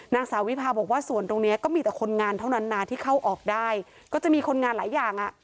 นางสาววิพาบอกว่าส่วนตรงนี้ก็มีแต่คนงานเท่านั้นนะที่เข้าออกได้ก็จะมีคนงานหลายอย่างอ่ะ